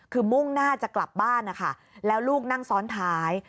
คือมุ่งหน้าจะกลับบ้านนะคะแล้วลูกนั่งซ้อนท้าย